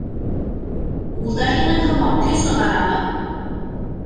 Ул да һинең һымаҡ көй сығарамы?